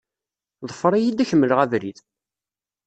Ḍfer-iyi-d, ad ak-mleɣ abrid.